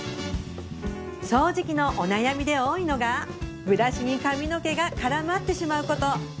掃除機のお悩みで多いのがブラシに髪の毛が絡まってしまうこと